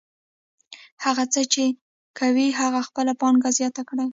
هغه هڅه کوي چې خپله پانګه زیاته کړي